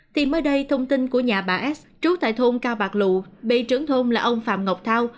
thì mới đây thông tin của nhà bà s trú tại thôn cao bạc lụ bị trưởng thôn là ông phạm ngọc thao